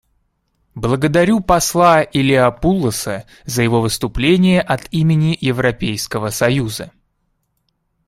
Благодарю посла Илиопулоса за его выступление от имени Европейского союза.